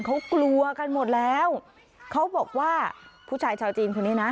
เขากลัวกันหมดแล้วเขาบอกว่าผู้ชายชาวจีนคนนี้นะ